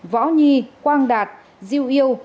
võ nhi quang đạt diêu yêu